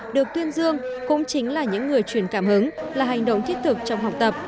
được tuyên dương cũng chính là những người truyền cảm hứng là hành động thiết thực trong học tập